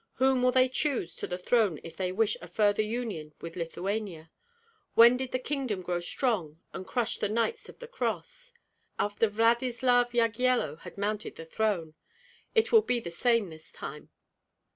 Whom will they choose to the throne if they wish a further union with Lithuania? When did the kingdom grow strong and crush the Knights of the Cross? After Vladyslav Yagyello had mounted the throne. It will be the same this time.